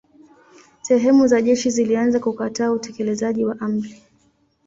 Sehemu za jeshi zilianza kukataa utekelezaji wa amri.